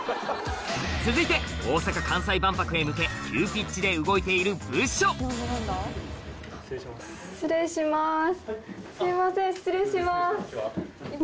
続いて大阪・関西万博へ向け急ピッチで動いている部署すいません失礼します。